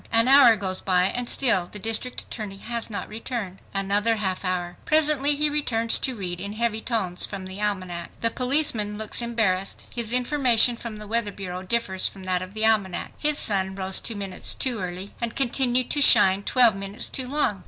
An hour goes by, and still the district attorney has not returned. Another half hour! Presently he returns to read in heavy tones from the almanac. The policeman looks embarrassed. His information from the weather bureau differs from that of the almanac. His sun rose two minutes too early and continued to shine twelve minutes too long!